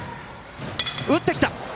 打ってきた！